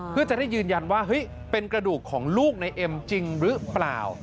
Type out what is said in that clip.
เพื่อจะได้ยืนยันว่าเฮ้ยเป็นกระดูกของลูกในเอ็มจริงหรือเปล่า